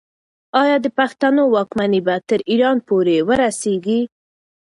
آیا د پښتنو واکمني به تر ایران پورې ورسیږي؟